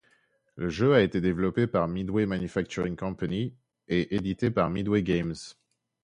Le jeu a été développé par Midway Manufacturing Company et édité par Midway Games.